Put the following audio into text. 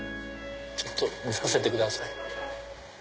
ちょっと見させてください。